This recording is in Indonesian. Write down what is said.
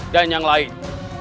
dan yang lain